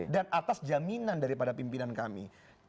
dan atas jaminan daripada pimpinan kami